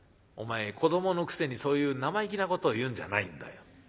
「お前子どものくせにそういう生意気なことを言うんじゃないんだよ。